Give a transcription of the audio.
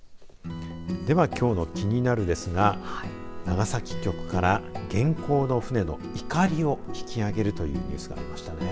ではきょうのキニナル！ですが長崎局から元寇の船のいかりを引き揚げるというニュースがありましたね。